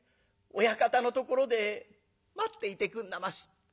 親方のところで待っていてくんなまし」。